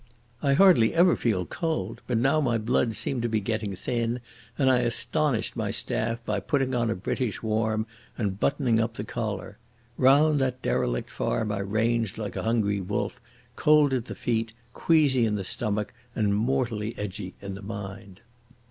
I hardly ever feel cold, but now my blood seemed to be getting thin, and I astonished my staff by putting on a British warm and buttoning up the collar. Round that derelict farm I ranged like a hungry wolf, cold at the feet, queasy in the stomach, and mortally edgy in the mind.